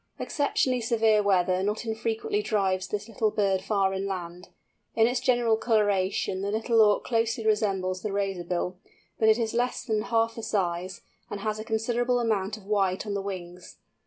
Exceptionally severe weather not unfrequently drives this little bird far inland. In its general colouration the Little Auk closely resembles the Razorbill, but it is less than half the size, and has a considerable amount of white on the wings.